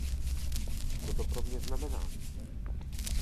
Co to pro mě znamená?